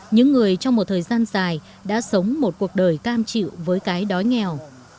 những người trong một thời gian dài đã sống một cuộc đời cam chịu với cái đói nghèo